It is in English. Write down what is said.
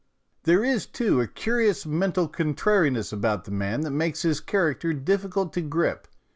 There is, too, a curious mental contrari ness about the man that makes his character difficult to grip.